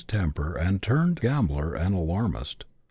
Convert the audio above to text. temper, and turned grumbler and alarmist.